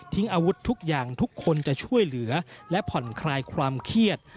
อาวุธทุกอย่างทุกคนจะช่วยเหลือและผ่อนคลายความเครียด